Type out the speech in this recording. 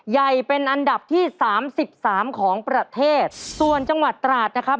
ใหญ่เป็นอันดับที่สามสิบสามของประเทศส่วนจังหวัดตราดนะครับ